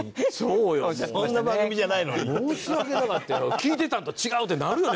聞いてたんと違うってなるよね